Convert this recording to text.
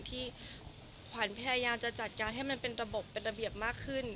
ที่ขวัญพยายามจะจัดการให้มันเป็นระบบเป็นระเบียบมากขึ้น